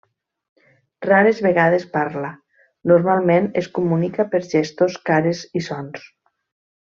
Rares vegades parla, normalment es comunica per gestos, cares i sons.